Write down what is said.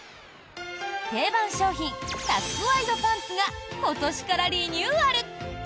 定番商品、タックワイドパンツが今年からリニューアル！